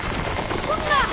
そんな！